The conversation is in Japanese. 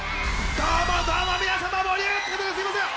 どうもどうも皆様盛り上がってるところすみません！